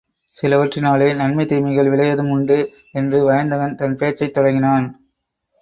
சிலவற்றினாலே நன்மை தீமைகள் விளைவதும் உண்டு என்று வயந்தகன் தன் பேச்சைத் தொடங்கினான்.